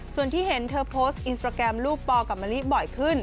ส่วนที่เห็นเธอโพสต์อินสตราแกรมลูกปอกับมะลิบ่อยขึ้น